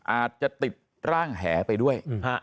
อาจจะติดร่างแหไปด้วย